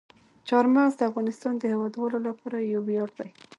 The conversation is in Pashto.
چار مغز د افغانستان د هیوادوالو لپاره یو ویاړ دی.